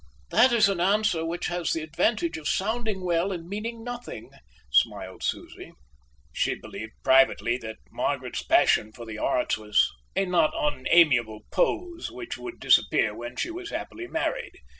"That is an answer which has the advantage of sounding well and meaning nothing," smiled Susie. She believed privately that Margaret's passion for the arts was a not unamiable pose which would disappear when she was happily married.